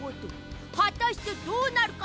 はたしてどうなるか！？